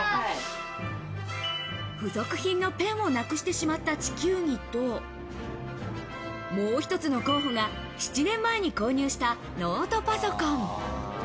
付属品のペンをなくしてしまった地球儀と、もう一つの候補が、７年前に購入したノートパソコン。